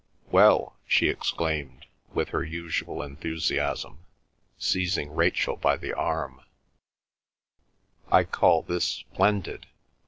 "Well," she exclaimed, with her usual enthusiasm, seizing Rachel by the arm, "I call this splendid!